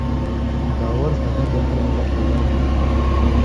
باور ساتنه د هر ملت لپاره مهمه ده.